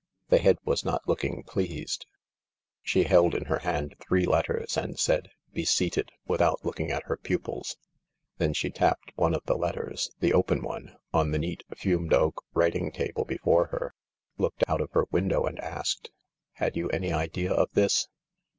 ' The Head was not looking pleased. She held in her hand three letters, and said, " Be seated," without looking at her pupils. Then she tapped one of the letters, the open one, on the neat fumed oak writing table before her, looked out of her window, and asked :" Had you any idea of this